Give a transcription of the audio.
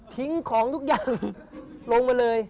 ของทุกอย่างลงมาเลย